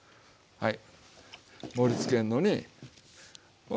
はい。